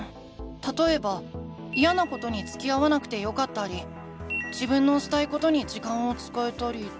たとえばイヤなことにつきあわなくてよかったり自分のしたいことに時間を使えたり。